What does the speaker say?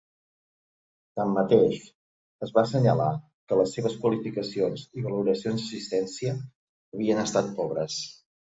Tanmateix, es va assenyalar que les seves qualificacions i valoracions d'assistència havien estat pobres.